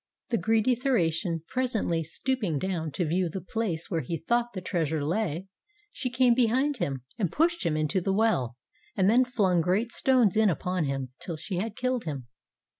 The greedy Thracian presently stooping down to view the place where he thought the treasure lay, she came be hind him, and pushed him into the well, and then flung great stones in upon him, till she had killed him.